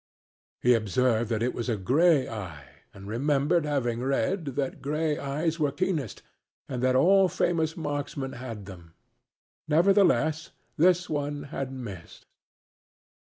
He observed that it was a gray eye and remembered having read that gray eyes were keenest, and that all famous markmen had them. Nevertheless, this one had missed.